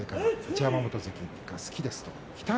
一山本関が好きです。